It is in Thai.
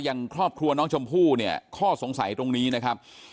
อย่างครอบครัวน้องชมพู่เนี่ยข้อสงสัยตรงนี้นะครับ